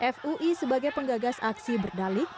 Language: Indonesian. fui sebagai penggagas aksi berdalik